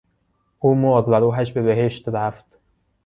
او مرد و روحش به بهشت رفت.